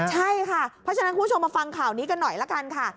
ใช่ค่ะเพราะฉะนั้นคุณผู้ชมมาฟังข่าวนี้กันหน่อยละกันค่ะ